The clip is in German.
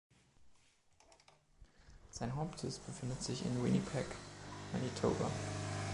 Sein Hauptsitz befindet sich in Winnipeg Manitoba.